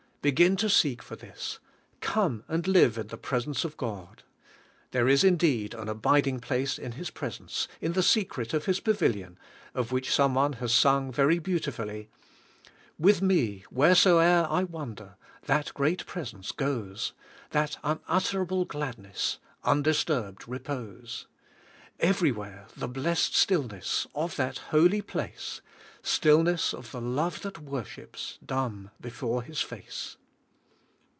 Be gin to seek for this. Come and live in the pres ence of God. There is indeed an abiding place in His presence, in the secret of His pavilion, of which some one has sung very beautifully: With me, wheresce'er I wander, That great Presence goes; That unutterable gladness, Undisturbed repose. Everywhere, the blessed stillness Of that Holy Place; Stillness of the love that worships, Dumb before His face.